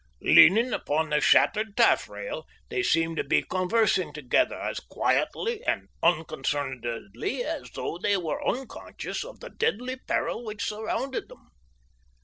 Leaning upon the shattered taff rail they seemed to be conversing together as quietly and unconcernedly as though they were unconscious of the deadly peril which surrounded them.